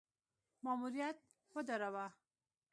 ماموریت ودراوه.